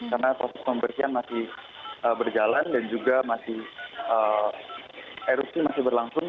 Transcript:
karena potensi pembersihan masih berjalan dan juga masih erupsi masih berlangsung